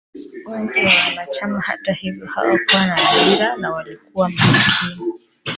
Wengi wa wanachama, hata hivyo, hawakuwa na ajira na walikuwa maskini.